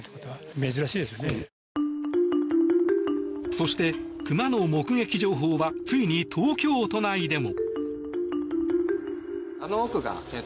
そしてクマの目撃情報はついに東京都内でも。